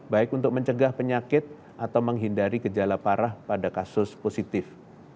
baik untuk mencegah penyakit atau menghindari gejala parah pada kasus positif